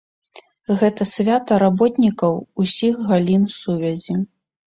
Гэта свята работнікаў усіх галін сувязі.